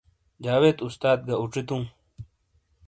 جاوید استاد گہ اوچیتوں۔